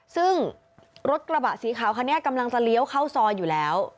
ซึ่งรถกระบะสีขาวคันนี้กำลังจะเลี้ยวเข้าซอยอยู่แล้ว